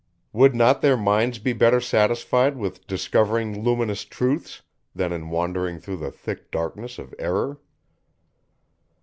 Would not their minds be better satisfied with discovering luminous truths, than in wandering through the thick darkness of error?